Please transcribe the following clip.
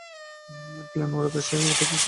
Plane ওড়াতে চাই, ওঠাতে চাই না।